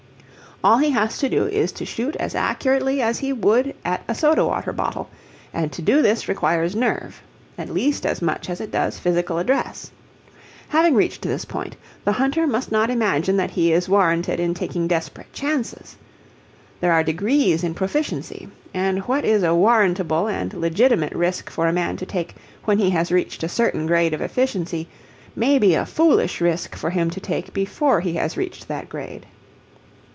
All he has to do is to shoot as accurately as he would at a soda water bottle; and to do this requires nerve, at least as much as it does physical address. Having reached this point, the hunter must not imagine that he is warranted in taking desperate chances. There are degrees in proficiency; and what is a warrantable and legitimate risk for a man to take when he has reached a certain grade of efficiency may be a foolish risk for him to take before he has reached that grade.